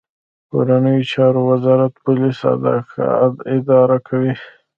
کورنیو چارو وزارت پولیس اداره کوي